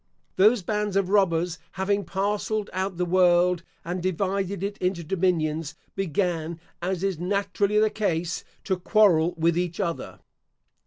Those bands of robbers having parcelled out the world, and divided it into dominions, began, as is naturally the case, to quarrel with each other.